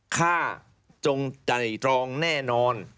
จงใจตรองแน่นอน